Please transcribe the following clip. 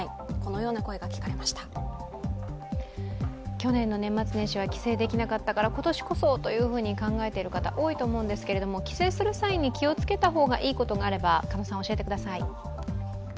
去年の年末年始は帰省できなかったから今年こそと考えている方、多いと思うんですけど帰省する際に気をつけた方がいいことがあれば教えてください。